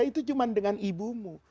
itu cuma dengan ibumu